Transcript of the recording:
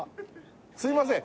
すいません